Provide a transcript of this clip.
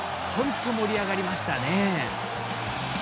盛り上がりましたよね。